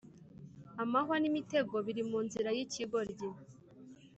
amahwa n’imitego biri mu nzira y’ikigoryi,